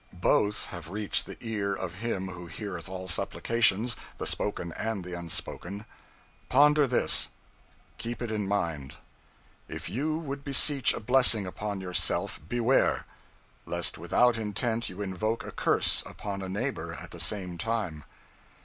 Both have reached the ear of Him Who heareth all supplications, the spoken and the unspoken. Ponder this – keep it in mind. If you would beseech a blessing upon yourself, beware! lest without intent you invoke a curse upon a neighbor at the same time.